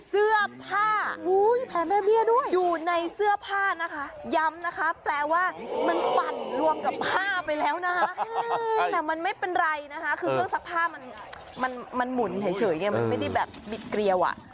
คือเครื่องซักผ้ามันหมุนเฉยอย่างนี้มันไม่ได้แบบบิดเกลียว